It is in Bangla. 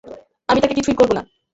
আমি তাকে কিছুই করবো না।